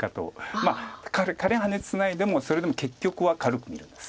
まあ仮にハネツナいでもそれでも結局は軽く見るんです。